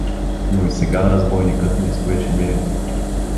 Но и сега разбойникът не стоеше мирен.